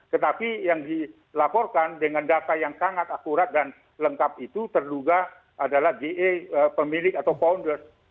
tetapi yang dilaporkan dengan data yang sangat akurat dan lengkap itu terduga adalah ge pemilik atau founders